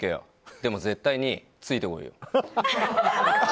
でも、絶対についてこいよ！